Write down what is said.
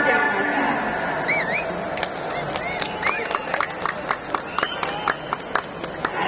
jangan ke sini